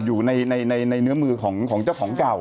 อยู่ในเนื้อมือของเจ้าของเก่า